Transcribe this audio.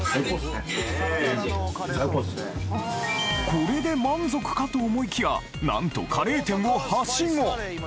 これで満足かと思いきやなんとカレー店をはしご！